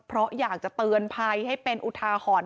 เพราะอยากจะเตือนภัยให้เป็นอุทาหรณ์